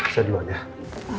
saya di ruang ya